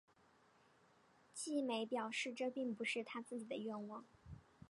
晋美表示这并不是他自己的愿望。